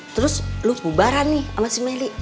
terus lu bubaran nih sama si meli